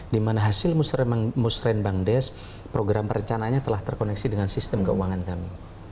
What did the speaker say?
di mana hasil musrembangdes program perencanaannya telah terkoneksi dengan sistem keuangan kami